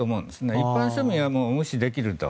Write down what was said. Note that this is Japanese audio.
一般庶民はもう無視できると。